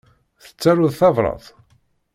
Tettaruḍ tabrat?